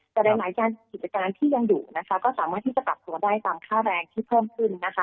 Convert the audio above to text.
แต่หลายการกิจการที่ยังอยู่นะคะก็สามารถที่จะปรับตัวได้ตามค่าแรงที่เพิ่มขึ้นนะคะ